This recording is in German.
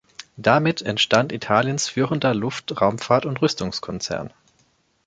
Damit entstand Italiens führender Luft-, Raumfahrt- und Rüstungskonzern.